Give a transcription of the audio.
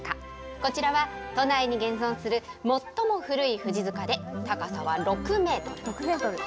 こちらは都内に現存する最も古い富士塚で、高さは６メートル。